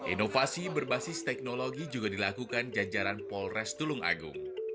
inovasi berbasis teknologi juga dilakukan jajaran polres tulung agung